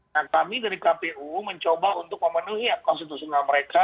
nah kami dari kpu mencoba untuk memenuhi hak konstitusional mereka